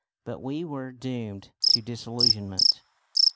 But we were doomed to disillusionment.